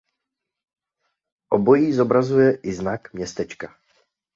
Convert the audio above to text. Obojí zobrazuje i znak městečka.